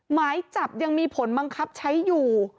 หมายจับยังมีผลบังคับใช้อยู่